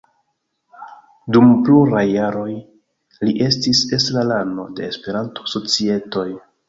Dum pluraj jaroj li estis estrarano de Esperanto-societoj.